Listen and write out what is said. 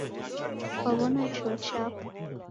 Kwaw'ona chuo chapo?